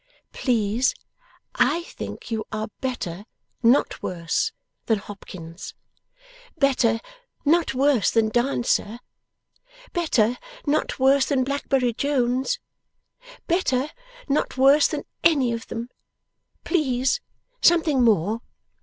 Please I think you are better (not worse) than Hopkins, better (not worse) than Dancer, better (not worse) than Blackberry Jones, better (not worse) than any of them! Please something more!